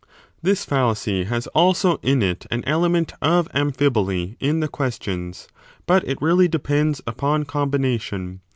This fallacy has also in it an element of amphiboly in the questions, but it \ii really depends upon combination.